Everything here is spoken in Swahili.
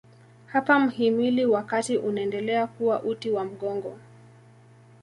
Hapa mhimili wa kati unaendelea kuwa uti wa mgongo.